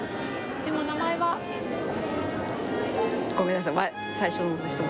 でも名前は？ごめんなさい。